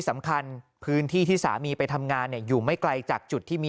สำคัญพื้นที่ที่สามีไปทำงานเนี่ยอยู่ไม่ไกลจากจุดที่มี